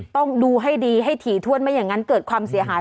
ต้องดูให้ดีให้ถี่ถ้วนไม่อย่างนั้นเกิดความเสียหาย